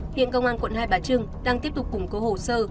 hiện công an quận hai bà trưng đang tiếp tục củng cố hồ sơ